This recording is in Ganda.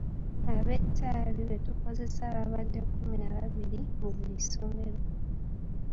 Abeetabi betukozesezza babadde kkumi na babiri mu buli ssomero.